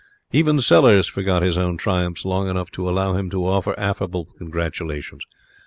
Even Sellers forgot his own triumphs long enough to allow him to offer affable congratulations.